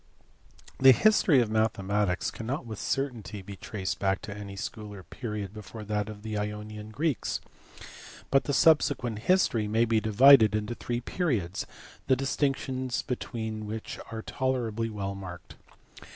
THE history of mathematics cannot with certainty be traced back to any school or period before that of the Ionian Greeks, but the subsequent history may be divided into three periods, the distinctions between which are tolerably well marked.